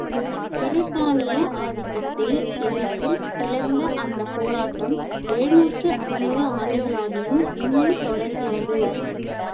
பிரித்தானிய ஆதிக்கத்தை எதிர்த்துக் கிளர்ந்த அந்தப் போராட்டம் எழுநூற்று ஐம்பது ஆண்டுகளாகியும் இன்னும் தொடர்கிறது.